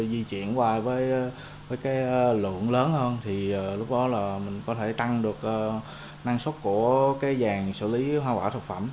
di chuyển hoài với lượng lớn hơn thì lúc đó mình có thể tăng được năng suất của giàn xử lý hoa quả thực phẩm